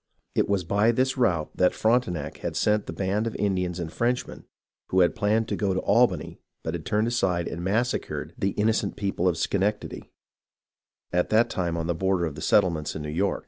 It was by this route that Frontenac had sent the band of Indians and Frenchmen, who had planned to go to Albany but had turned aside and massacred the innocent people of Schenectady, at that time on the border of the settlements in New York.